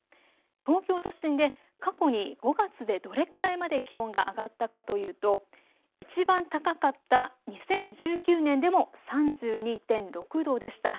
東京都心で過去に５月でどれくらいまで気温が上がったかというといちばん高かった２０１９年でも３２．６度でした。